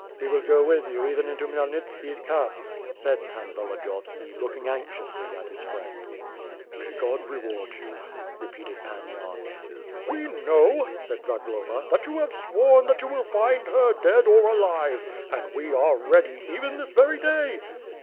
"We will go with you even into Khmyelnitski'e camp," said Pan Volodiyovski, looking anxiously at his friend. "May God reward 3'ou," repeated Pan Yan. "We know," said Zagloba, "that you have sworn that you will find her, dead or alive; and we are ready, even this very day.